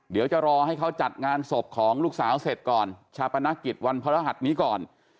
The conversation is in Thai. เดี๋ยวจะรอให้เขาจัดงานศพของลูกสาวเสร็จก่อนชาปนกิจวันพระรหัสนี้ก่อน